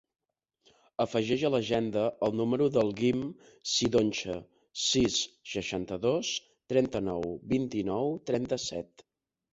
Afegeix a l'agenda el número del Guim Cidoncha: sis, seixanta-dos, trenta-nou, vint-i-nou, trenta-set.